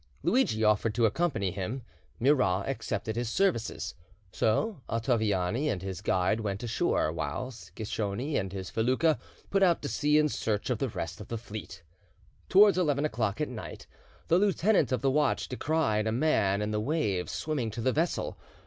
Luidgi offered to accompany him. Murat accepted his services. So Ottoviani and his guide went ashore, whilst Cicconi and his felucca put out to sea in search of the rest of the fleet. Towards eleven o'clock at night the lieutenant of the watch descried a man in the waves swimming to the vessel.